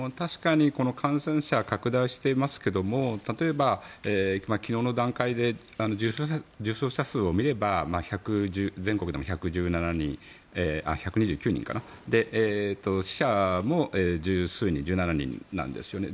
確かに感染者、拡大していますが例えば、昨日の段階で重症者数を見れば全国でも１２９人かな死者も１０数人１７人なんですよね。